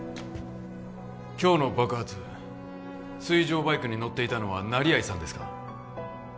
今日の爆発水上バイクに乗っていたのは成合さんですか？